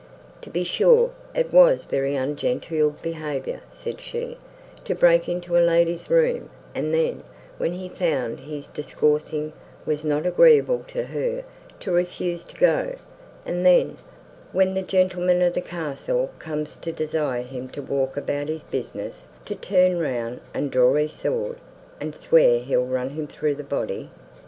"To be sure, it was very ungenteel behaviour," said she, "to break into a lady's room, and then, when he found his discoursing was not agreeable to her, to refuse to go; and then, when the gentleman of the castle comes to desire him to walk about his business—to turn round, and draw his sword, and swear he'll run him through the body!